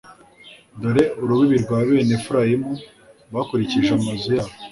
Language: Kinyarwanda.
dore urubibi rwa bene efurayimu, bakurikije amazu yabo